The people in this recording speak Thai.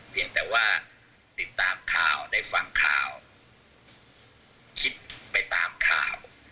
เพียงแต่ว่าติดตามข่าวได้ฟังข่าวคิดไปตามข่าว